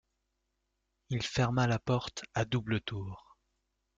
Il ferma la porte à double tour.